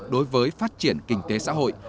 đối với phát triển kinh tế xã hội